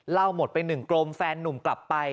หมดไปหนึ่งกรมแฟนนุ่มกลับไป